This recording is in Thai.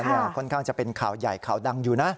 ค่อนข้างจะเป็นข่าวใหญ่ข่าวดังอยู่นะ